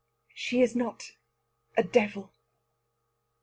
"She is not a devil."